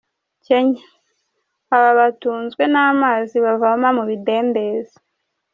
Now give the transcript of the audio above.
Kenya; Aba batunzwe n'amazi bavoma mu bidendezi.